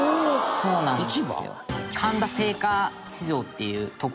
「そうなんです」